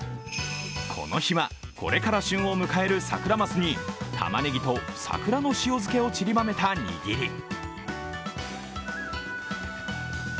この日は、これから旬を迎えるサクラマスにたまねぎと桜の塩漬けを散りばめた握り。